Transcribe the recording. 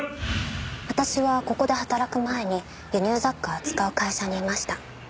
私はここで働く前に輸入雑貨を扱う会社にいました。